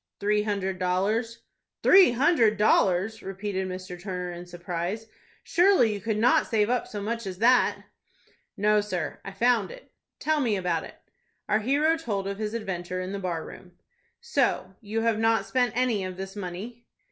"Three hundred dollars." "Three hundred dollars!" repeated Mr. Turner, in surprise. "Surely you could not save up so much as that?" "No, sir, I found it." "Tell me about it." Our hero told of his adventure in the bar room. "So you have not spent any of this money?"